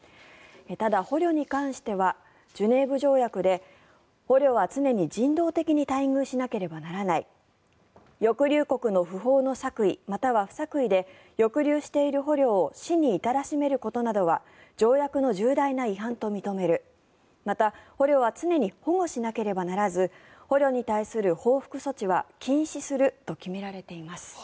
ただ捕虜に関してはジュネーブ条約で捕虜は常に人道的に待遇しなければならない抑留国の不法の作為または不作為で抑留している捕虜を死に至らしめることなどは条約の重大な違反と認めるまた、捕虜は常に保護しなければならず捕虜に対する報復措置は禁止すると決められています。